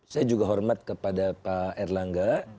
saya juga hormat kepada pak erlangga